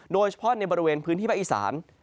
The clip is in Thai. โดยเฉพาะในบริเวณพื้นที่ภาคอีสาน